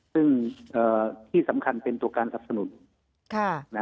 ซึ่งที่สำคัญเป็นตัวการสนับสนุน